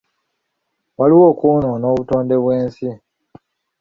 Waliwo okwonoona kw'obutonde bw'ensi.